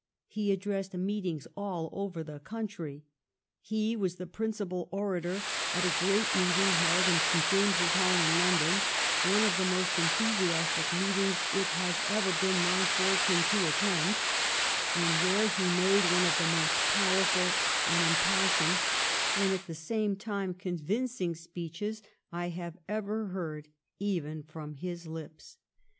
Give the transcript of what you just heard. He addressed meetings all over the country. He was the principal orator at a great meeting held in St. Jamess Hall in London, one of the most enthusiastic meetings it has ever been my fortune to attend, and where he made one of the most powerful and impassioned and at the same time convincing speeches I have ever heard even from his lips.